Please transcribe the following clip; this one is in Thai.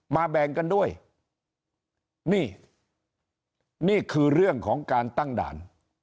แบ่งกันด้วยนี่นี่คือเรื่องของการตั้งด่าน